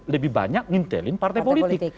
lebih banyak ngintelin partai politik